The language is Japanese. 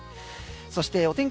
そしてお天気